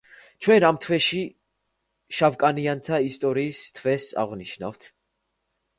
ჩვენ ამ თვეში შავკანიანთა ისტორიის თვეს ავღნიშნავთ.